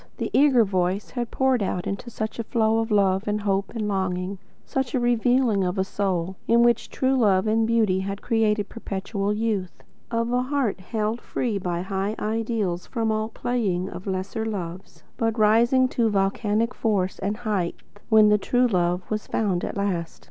The eager voice had poured out into it such a flow of love and hope and longing; such a revealing of a soul in which the true love of beauty had created perpetual youth; of a heart held free by high ideals from all playing with lesser loves, but rising to volcanic force and height when the true love was found at last.